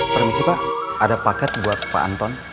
permisi pak ada paket buat pak anton